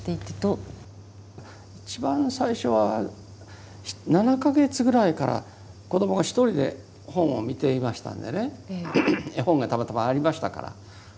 一番最初は７か月ぐらいから子どもが１人で本を見ていましたんでね絵本がたまたまありましたから。